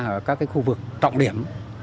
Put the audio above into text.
ở các khu vực trọng điểm